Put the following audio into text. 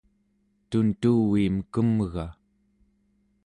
tuntuviim kemga